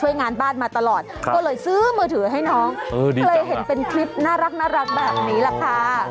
งานบ้านมาตลอดก็เลยซื้อมือถือให้น้องเลยเห็นเป็นคลิปน่ารักแบบนี้แหละค่ะ